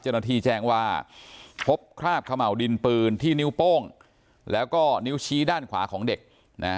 เจ้าหน้าที่แจ้งว่าพบคราบเขม่าวดินปืนที่นิ้วโป้งแล้วก็นิ้วชี้ด้านขวาของเด็กนะ